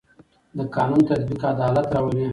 د قانون تطبیق عدالت راولي